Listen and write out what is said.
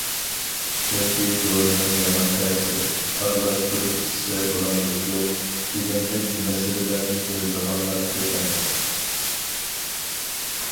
چۈنكى دورىنىڭ يامان تەسىرى، ئارىلاشتۇرۇپ ئىچسە بولامدۇ- يوق، دېگەندەك مەسىلىلەرنى بىلىدىغانلار كۆپ ئەمەس.